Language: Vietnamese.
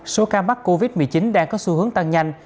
số ca mắc covid một mươi chín đang có xu hướng tăng nhanh